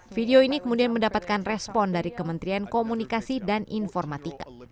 video ini kemudian mendapatkan respon dari kementerian komunikasi dan informatika